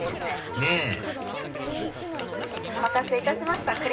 ねぇお待たせいたしました。